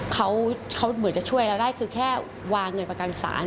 เขาเหมือนจะช่วยเราได้คือแค่วางเงินประกันศาล